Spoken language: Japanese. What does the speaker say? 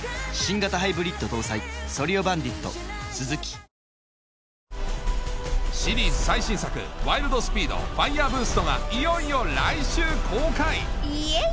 新「和紅茶」シリーズ最新作『ワイルド・スピード／ファイヤーブースト』がいよいよ来週公開イェイ！